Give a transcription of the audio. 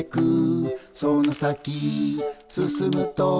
「その先進むと」